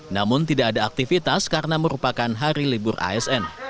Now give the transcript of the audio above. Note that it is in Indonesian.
namun tidak ada aktivitas karena merupakan hari libur asn